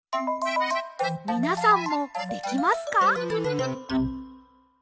みなさんもできますか？